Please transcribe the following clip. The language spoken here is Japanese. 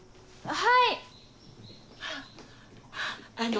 はい。